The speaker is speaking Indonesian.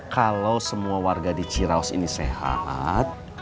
kalau semua warga di ciraus ini sehat